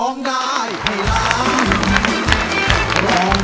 แก้มขอมาสู้เพื่อกล่องเสียงให้กับคุณพ่อใหม่นะครับ